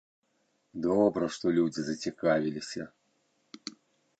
Добра, што людзі зацікавіліся.